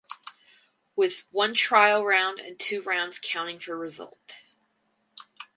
With one trial round and two rounds counting for result.